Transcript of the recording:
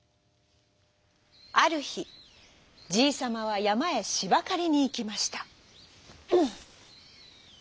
あるひじいさまはやまへしばかりにいきました。